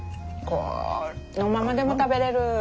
このままでも食べれる。